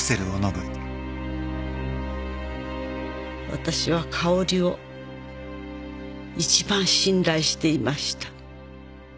「私は香織を一番信頼していました」